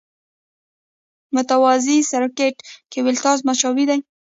متوازي سرکټ کې ولټاژ مساوي وي.